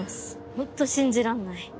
ホント信じらんない。